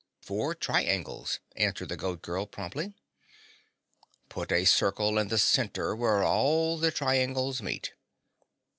"Four triangles," answered the Goat Girl promptly. "Put a circle in the center where all the triangles meet."